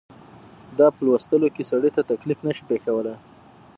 دا په لوستلو کې سړي ته تکلیف نه شي پېښولای.